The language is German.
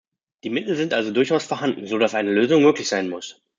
Die Mittel sind also durchaus vorhanden, so dass eine Lösung möglich sein muss.